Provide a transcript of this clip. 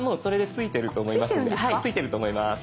ついてると思います。